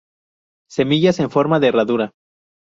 Semillas en forma de herradura.